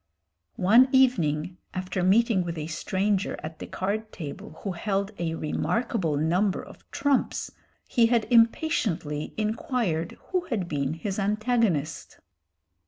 One evening, after meeting with a stranger at the card table who held a remarkable number of trumps, he had impatiently inquired who had been his antagonist.